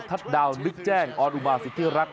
ทัชดาวน์นึกแจ้งออนอุมาสิธิรักษ์